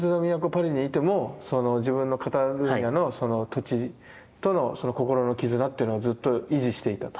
パリにいても自分のカタルーニャのその土地との心の絆っていうのをずっと維持していたと。